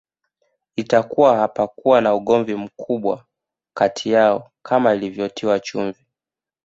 Itakuwa hapakuwa na ugomvi mkubwa kati yao kama ilivyotiwa chumvi